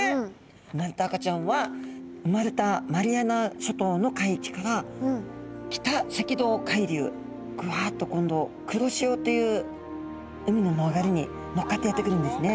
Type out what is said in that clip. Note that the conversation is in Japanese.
生まれた赤ちゃんは生まれたマリアナ諸島の海域から北赤道海流グワッと今度黒潮という海の流れに乗っかってやって来るんですね。